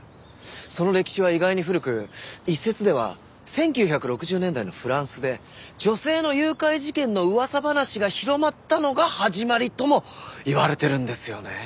その歴史は意外に古く一説では１９６０年代のフランスで女性の誘拐事件の噂話が広まったのが始まりともいわれてるんですよね。